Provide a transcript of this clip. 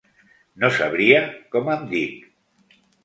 No sabria com em dic.